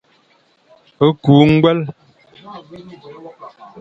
Kü ñgwel.